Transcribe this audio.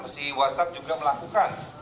si whatsapp juga melakukan